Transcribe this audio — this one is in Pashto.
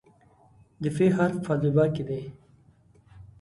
د "ف" حرف په الفبا کې دی.